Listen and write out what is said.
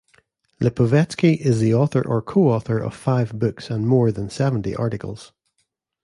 Lipovestky is the author or co-author of five books and more than seventy articles.